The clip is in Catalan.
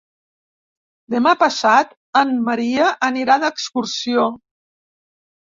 Demà passat en Maria anirà d'excursió.